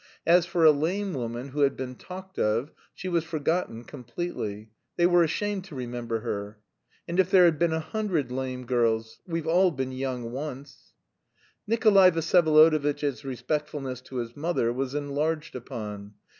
As for a lame woman who had been talked of, she was forgotten completely. They were ashamed to remember her. "And if there had been a hundred lame girls we've all been young once!" Nikolay Vsyevolodovitch's respectfulness to his mother was enlarged upon.